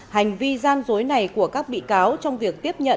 hành vi gian dối này của các bị cáo trong việc tiếp nhận bộ kít